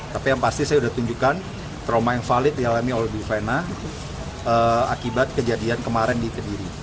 tapi yang pasti saya sudah tunjukkan trauma yang valid dialami oleh bu vena akibat kejadian kemarin di kediri